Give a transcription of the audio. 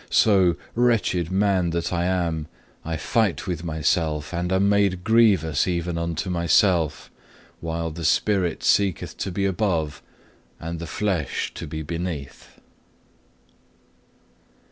So, wretched man that I am, I fight with myself, and am made grievous even unto myself, while the spirit seeketh to be above and the flesh to be beneath.